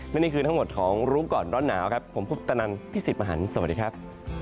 และนี่คือทั้งหมดของรู้ก่อนร้อนหนาวครับผมพุทธนันพี่สิทธิ์มหันฯสวัสดีครับ